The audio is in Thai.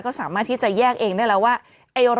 ก็สามารถที่จะแยกเองได้แล้วว่า